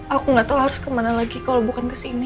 aku gak tau harus kemana lagi kalau bukan kesini